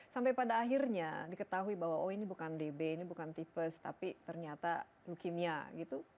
sampai pada akhirnya diketahui bahwa oh ini bukan db ini bukan tipes tapi ternyata leukemia gitu